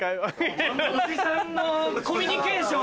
おじさんのコミュニケーション。